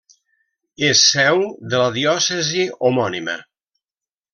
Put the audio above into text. És seu de la diòcesi homònima.